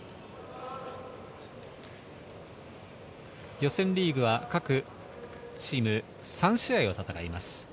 予選リーグは各チーム３試合を戦います。